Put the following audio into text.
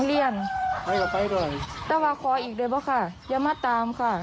อ๋อประโยชน์พอให้จอดได้เหรอว่าผู้มาจอดข่ะ